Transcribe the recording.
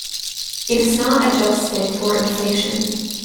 It is not adjusted for inflation.